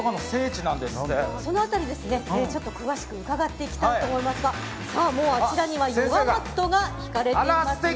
その辺りちょっと詳しく伺っていこうと思いますがあちらにはヨガマットが敷かれていますよ。